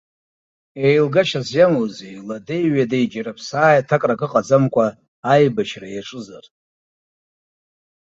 Еилгашьас иамоузеи ладеи ҩадеи џьара ԥсааиҭакрак ыҟаӡамкәа аибашьра иаҿызар.